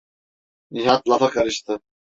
Nihat lafa karıştı: